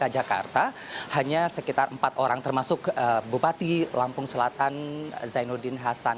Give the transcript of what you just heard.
jakarta hanya sekitar empat orang termasuk bupati lampung selatan zainuddin hasan